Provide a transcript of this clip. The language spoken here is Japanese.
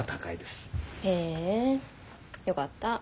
へえよかった。